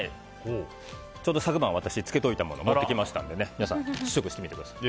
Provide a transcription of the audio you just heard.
昨晩、漬けておいたものを持ってきましたので皆さん、試食してみてください。